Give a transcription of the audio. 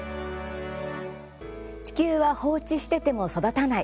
「地球は放置してても育たない」